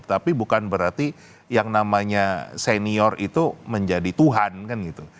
tapi bukan berarti yang namanya senior itu menjadi tuhan kan gitu